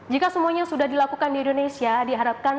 jika semuanya sudah dilakukan di indonesia diharapkan